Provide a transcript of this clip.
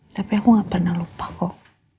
tapi aku gak pernah lupa kok